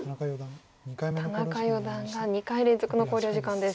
田中四段が２回連続の考慮時間です。